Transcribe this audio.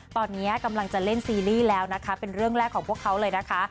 ตอนนี้กำลังจะเล่นซีรีส์แล้วนะคะเป็นเรื่องแรกของพวกเขาเลยนะคะ